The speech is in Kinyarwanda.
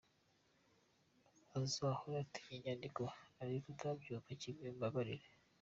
Uzahore utinya inyandiko, abo tutabyumva kimwe mumbabarire.